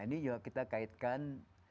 ini juga kita kaitkan